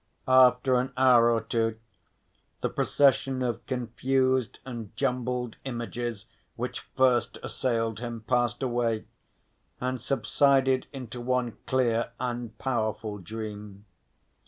After an hour or two the procession of confused and jumbled images which first assailed him passed away and subsided into one clear and powerful dream.